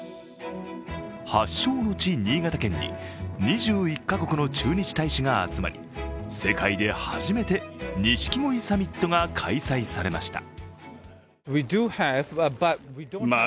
発祥の地、新潟県に２１か国の駐日大使が集まり世界で初めて錦鯉サミットが開催されました。